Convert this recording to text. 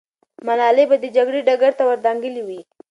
ملالۍ به د جګړې ډګر ته ور دانګلې وي.